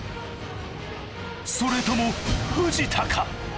それとも藤田か？